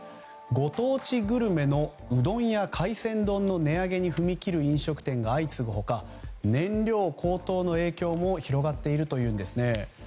ご当地グルメのうどんや海鮮丼の値上げに踏み切る飲食店が相次ぐ他、燃料高騰の影響も広がっているというんですね。